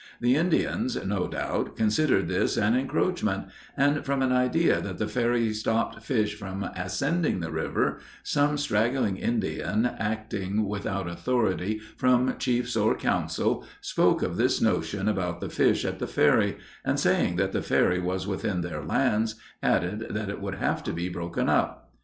The Indians, no doubt, considered this an encroachment; and from an idea that the ferry stopped fish from ascending the river, some straggling Indian, acting without authority from chiefs or council, spoke of this notion about the fish at the ferry, and saying that the ferry was within their lands, added that it would have to be broken up.